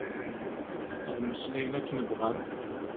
Ad mmeslayen akken bɣan.